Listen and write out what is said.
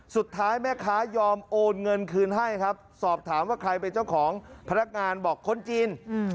สุดท้ายแม่ค้ายอมโอนเงินคืนให้ครับสอบถามว่าใครเป็นเจ้าของพนักงานบอกคนจีน